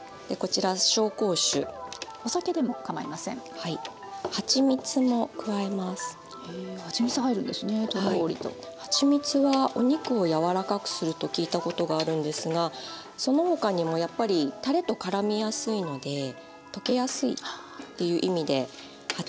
はちみつはお肉を柔らかくすると聞いたことがあるんですがその他にもやっぱりたれとからみやすいので溶けやすいっていう意味ではちみつを私は使ってます。